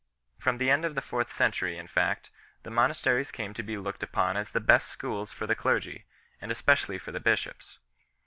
From the end of the fourth century, in fact, the monasteries came to be looked upon as the best schools for the clergy, and especially for the bishops.